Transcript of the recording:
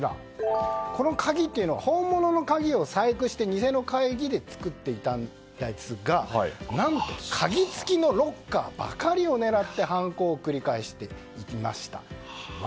この鍵というのは本物の鍵を細工して偽の鍵で作っていたんですが何と、鍵付きのロッカーばかりを狙って犯行を繰り返していきました。